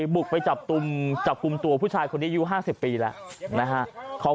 บุกไปจับกลุ่มตัวผู้ชายคนนี้อายุ๕๐ปีแล้วนะฮะ